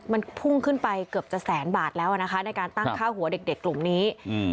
มันพุ่งขึ้นไปเกือบจะแสนบาทแล้วอ่ะนะคะในการตั้งค่าหัวเด็กเด็กกลุ่มนี้อืม